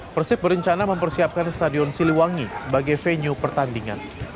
persib berencana mempersiapkan stadion siliwangi sebagai venue pertandingan